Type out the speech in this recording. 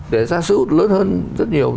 để ra sứ lớn hơn rất nhiều